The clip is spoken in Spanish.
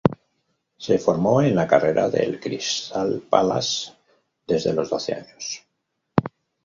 Se formó en la cantera del Crystal Palace desde los doce años.